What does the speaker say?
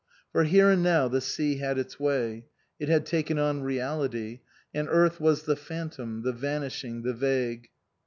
For here and now the sea had its way ; it had taken on reality ; and earth was the phantom, the vanishing, the vague.